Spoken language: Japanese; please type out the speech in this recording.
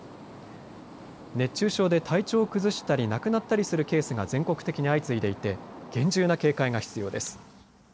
熱中症で体調を崩したり亡くなったりするケースが全国的に相次いでいて厳重な警戒が必要です。